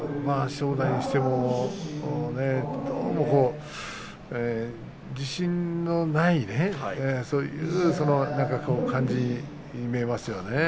正代にしても自信のないそういう感じに見えますよね。